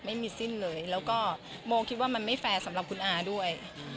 แล้วก็โบคิดว่ามันไม่แฟร์สำหรับคุณอาด้วย